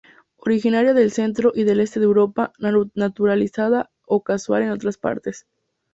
Originaria del centro y del este de Europa; naturalizada o casual en otras partes.